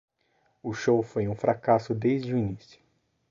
O show foi um fracasso desde o início.